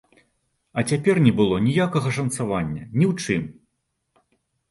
А цяпер не было ніякага шанцавання, ні ў чым!